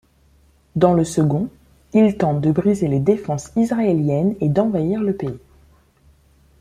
Dans le second, il tente de briser les défenses israéliennes et d’envahir le pays.